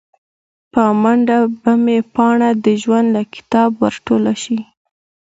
په منډه به مې پاڼه د ژوند له کتابه ور ټوله شي